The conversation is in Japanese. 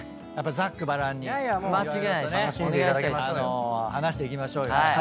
ざっくばらんに色々とね話していきましょうよ。